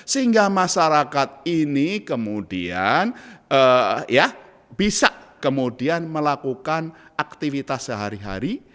sehingga masyarakat ini kemudian bisa kemudian melakukan aktivitas sehari hari